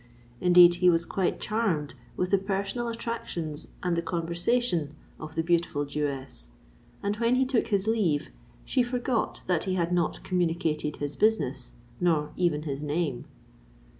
Indeed, he was quite charmed with the personal attractions and the conversation of the beautiful Jewess; and when he took his leave, she forgot that he had not communicated his business, nor even his name.